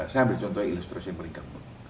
saya ambil contohnya illustration mereka